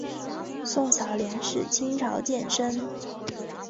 宋小濂是清朝监生。